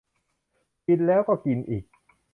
กินแล้วก็กินอีก